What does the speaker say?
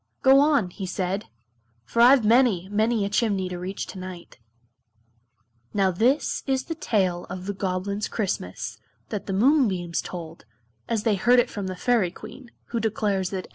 "Go on!" he said, "For I've many, many a chimney to reach tonight." Now this is the tale of "The Goblins' Christmas" that the moonbeams told, as they heard it from the Fairy Queen, who declares that every word of it is perfectly true.